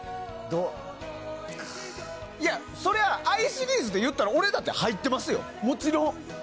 いや、そりゃ愛シリーズでいったら俺だって入ってますよ、もちろん。